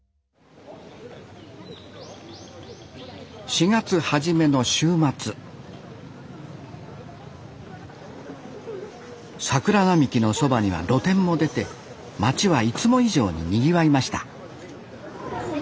４月初めの週末桜並木のそばには露店も出て町はいつも以上ににぎわいました